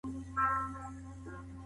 نو نوي فونټونه نه اخلي.